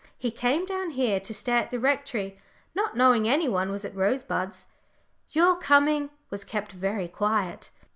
We came down here to stay at the Rectory, not knowing any one was at Rosebuds. Your coming was kept very quiet.